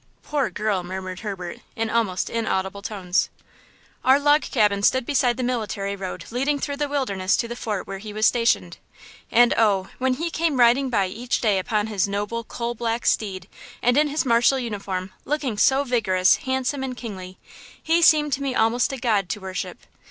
"Poor girl!" murmured Herbert, in almost inaudible tones. "Our log cabin stood beside the military road leading through the wilderness to the fort where he was stationed. And, oh! when he came riding by each day upon his noble, coal black steed and in his martial uniform, looking so vigorous, handsome and kingly, he seemed to me almost a god to worship!